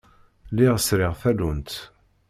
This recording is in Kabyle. Lliɣ sriɣ tallunt.